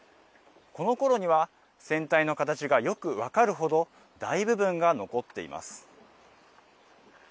このころには、船体の形がよく分かるほど、大部分が残っています。